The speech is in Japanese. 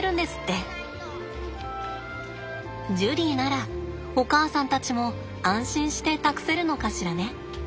ジュリーならお母さんたちも安心して託せるのかしらね。